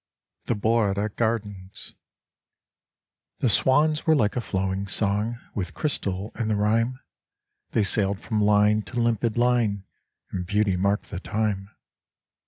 The Borda Gardens The swans were like a flowing song With crystal in the rhyme. They sailed from line to limpid line And beauty marked the time.